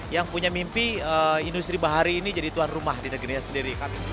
yang punya mimpi industri bahari ini jadi tuan rumah di negerinya sendiri